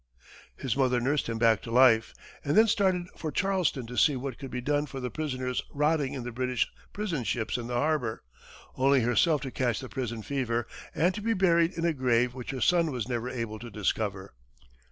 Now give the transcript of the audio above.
His mother nursed him back to life, and then started for Charleston to see what could be done for the prisoners rotting in the British prison ships in the harbor, only herself to catch the prison fever, and to be buried in a grave which her son was never able to discover.